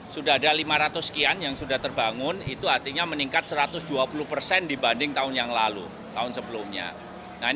sudah ada lima ratus sekian yang sudah terbangun itu artinya meningkat satu ratus dua puluh persen dibanding tahun yang lalu tahun sebelumnya